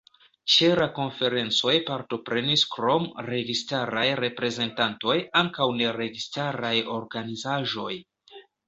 Ĉe la konferencoj partoprenis krom registaraj reprezentantoj ankaŭ neregistaraj organizaĵoj.